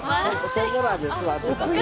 そこらで座ってたらね。